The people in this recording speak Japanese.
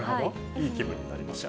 いい気分になります。